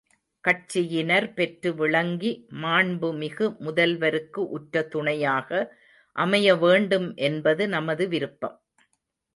கட்சியினர் பெற்று விளங்கி மாண்புமிகு முதல்வருக்கு உற்ற துணையாக அமைய வேண்டும் என்பது நமது விருப்பம்.